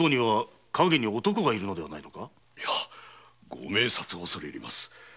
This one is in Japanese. ご明察恐れ入ります。